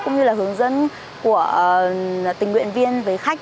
cũng như là hướng dẫn của tình nguyện viên